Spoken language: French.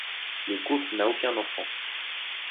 Le couple n'a aucun enfant.